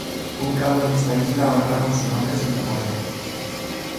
Un cabo en esta isla honra con su nombre su memoria.